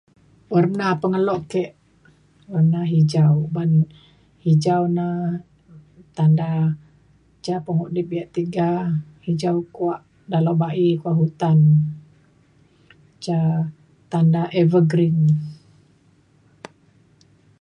warna pengelo ke warna hijau ban hijau na tanda ca pengudip yak tiga hijau kuak dalau bayi kuak hutan ca tanda evergreen.